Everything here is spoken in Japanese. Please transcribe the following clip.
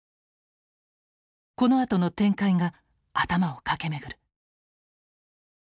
このあとの展開が頭を駆け巡る。